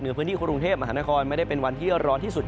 พื้นที่กรุงเทพมหานครไม่ได้เป็นวันที่ร้อนที่สุด